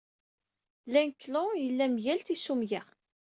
Linclon yella mgal tissumga.